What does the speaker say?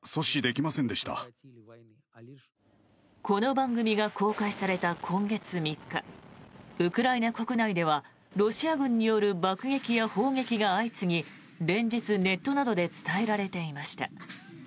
この番組が公開された今月３日ウクライナ国内ではロシア軍による爆撃や砲撃が相次ぎ連日、ネットなどで伝えられていました。